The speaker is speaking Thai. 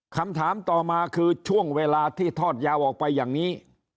คำถามต่อมาคือช่วงเวลาที่ทอดยาวออกไปอย่างนี้